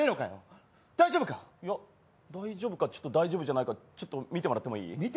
いや大丈夫かちょっと大丈夫じゃないかちょっと見てもらってもいい？